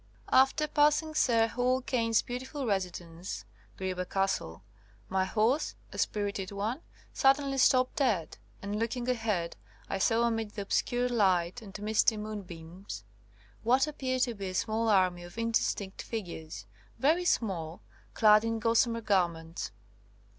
*' After passing Sir Hall Caine's beautiful residence, Greeba Castle, my horse — a spir ited one — suddenly stopped dead, and look ing ahead I saw amid the obscure light and misty moonbeams what appeared to be a small army of indistinct figures — very small, clad in gossamer garments.